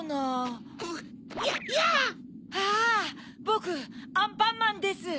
ぼくアンパンマンです！